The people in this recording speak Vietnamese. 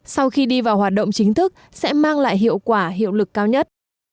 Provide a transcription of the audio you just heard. sau khi đi vào hoạt động chính thức sẽ mang lại hiệu quả hiệu lực cao nhất